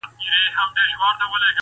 راسه چي دي حسن ته جامي د غزل واغوندم,